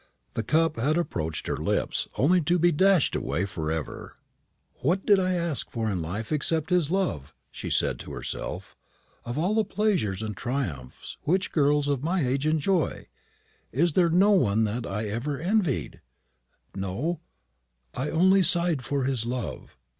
The cup had approached her lips, only to be dashed away for ever. "What did I ask in life except his love?" she said to herself. "Of all the pleasures and triumphs which girls of my age enjoy, is there one that I ever envied? No, I only sighed for his love.